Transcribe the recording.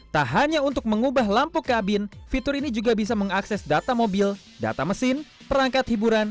tak hanya untuk mengubah lampu kabin fitur ini juga bisa mengakses data mobil data mesin perangkat hiburan